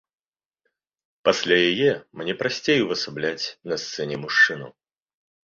Пасля яе мне прасцей увасабляць на сцэне мужчыну.